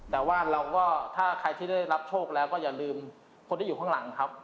แต่ว่าเราก็ถ้าใครที่ได้รับโชคแล้วก็อย่าลืมคนที่อยู่ข้างหลังครับ